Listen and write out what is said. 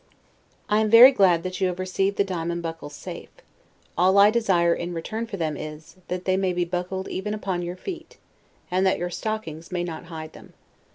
I am very glad that you have received the diamond buckles safe; all I desire in return for them is, that they may be buckled even upon your feet, and that your stockings may not hide them.